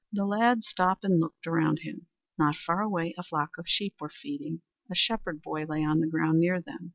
The lad stopped and looked around him. Not far away a flock of sheep were feeding. A shepherd boy lay on the ground near them.